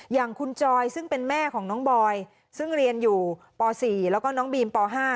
อย่างคุณจอยซึ่งเป็นแม่ของน้องบอยซึ่งเรียนอยู่ป๔แล้วก็น้องบีมป๕